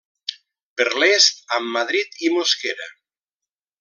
Per l'est amb Madrid i Mosquera.